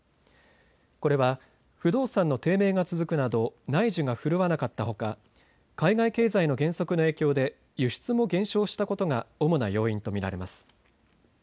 これは不動産の低迷が続くなど内需が振るわなかったほか海外経済の減速の影響で輸出も減少したことが主な要因と見られます。